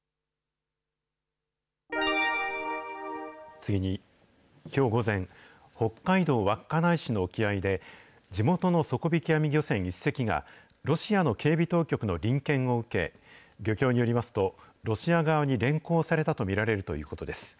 次に、きょう午前、北海道稚内市の沖合で、地元の底引き網漁船１隻が、ロシアの警備当局の臨検を受け、漁協によりますと、ロシア側に連行されたと見られるということです。